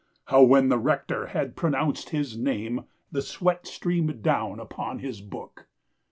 How, when the rector had pronounced his name, The sweat streamed down upon his book!